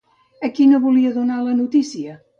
A qui no volia donar la notícia?